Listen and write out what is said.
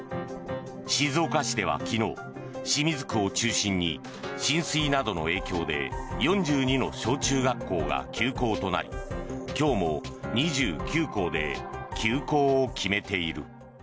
静岡市では昨日清水区を中心に浸水などの影響で４２の小中学校が休校となり今日も２９校で休校を決めている。